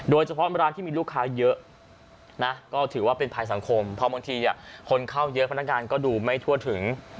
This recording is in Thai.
โดยเฉพาะร้านที่มีลูกค้าเยอะนะก็ถือว่าเป็นภัยสังคมพอบางทีคนเข้าเยอะพนักงานก็ดูไม่ทั่วถึง